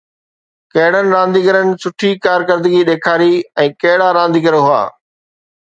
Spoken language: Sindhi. ڪهڙن رانديگرن سٺي ڪارڪردگي ڏيکاري ۽ ڪهڙا رانديگر هئا؟